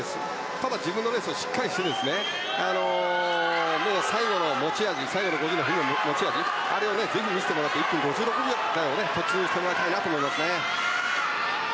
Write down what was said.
ただ、自分のレースをしっかりして最後の５０の持ち味ぜひ見せてもらって１分５６秒台に突入してもらいたいですね。